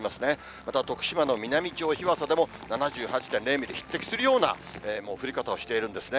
また徳島の美波町日和佐でも、７８．０ミリ、匹敵するような降り方をしているんですね。